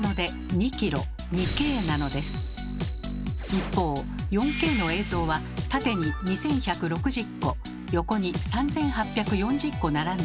一方４Ｋの映像は縦に２，１６０個横に３，８４０個並んでいます。